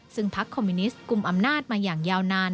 ซึ่งพักคอมมิวนิสต์กลุ่มอำนาจมาอย่างยาวนาน